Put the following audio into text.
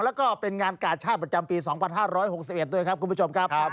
แล้วก็เป็นงานกาชาติประจำปี๒๕๖๑ด้วยครับคุณผู้ชมครับ